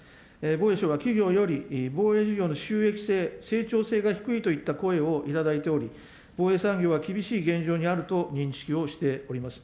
防衛省は企業より防衛事業の収益性、成長性が低いといった声を頂いており、防衛産業は厳しい現状にあると認識をしております。